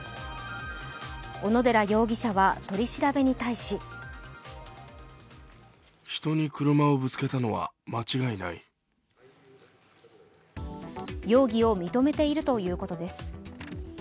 小野寺容疑者は取り調べに対し容疑を認めているということです。